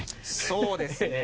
そうですね。